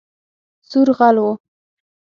سور غل وو